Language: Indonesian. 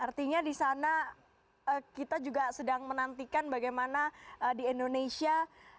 artinya di sana kita juga sedang menantikan bagaimana di indonesia